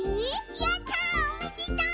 やったおめでとう！